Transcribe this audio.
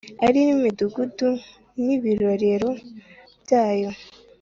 Ari n imidugudu n ibirorero byayo